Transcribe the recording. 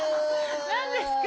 何ですか？